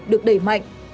được đẩy mạnh